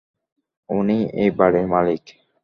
উনি এই বাড়ির মালিক!